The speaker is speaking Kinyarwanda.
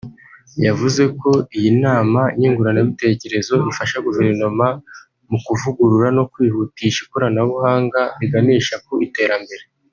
yavuze ko iyi nama nyunguranabitekerezo ifasha Guverinoma mu kuvugurura no kwihutisha ikoranabuhanga riganisha ku iterambere